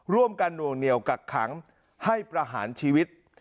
หน่วงเหนียวกักขังให้ประหารชีวิต